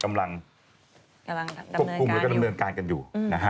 กำลังดำเนินการอยู่นะฮะควบคุมและดำเนินการอยู่